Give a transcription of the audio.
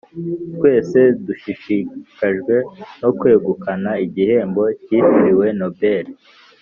twese dushishikajwe no kwegukana igihembo cyitiriwe nobel.